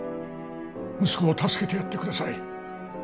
息子を助けてやってください